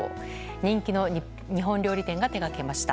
人気の日本料理店が手がけました。